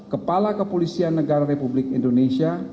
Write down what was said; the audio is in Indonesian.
kepala kepolisian negara republik indonesia